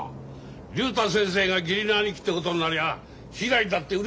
竜太先生が義理の兄貴ってことになりゃひらりだってうれしいだろ？